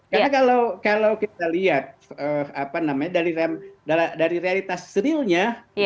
karena kalau kita lihat dari realitas serilnya